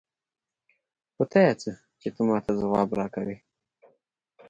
په تا يې څه؛ چې ته ما ته ځواب راکوې.